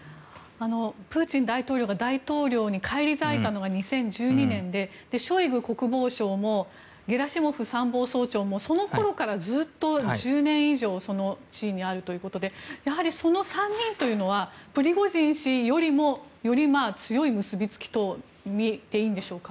プーチン大統領が大統領に返り咲いたのが２０１２年でショイグ国防相もゲラシモフ参謀総長もそのころからずっと１０年以上その地位にあるということでやはり、その３人というのはプリゴジン氏よりもより強い結びつきとみていいんでしょうか。